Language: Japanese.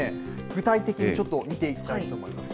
具体的にちょっと見ていきたいと思います。